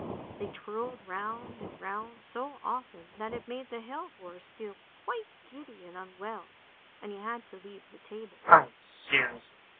They twirled round and round so often that it made the hell horse feel quite giddy and unwell and he had to leave the table.